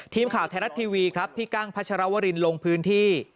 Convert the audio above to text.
ทีมข่าวไทยรัฐทีวีครับพี่กั้งพัชรวรินลงพื้นที่